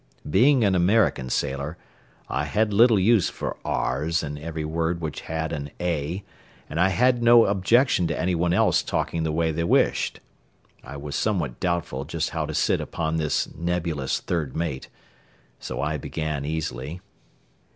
Being an American sailor, I had little use for r's in every word which held an a but I had no objection to any one else talking the way they wished. I was somewhat doubtful just how to sit upon this nebulous third mate, so I began easily.